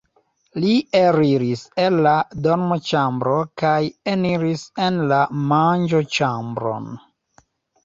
Li eliris el la dormoĉambro kaj eniris en la manĝoĉambron.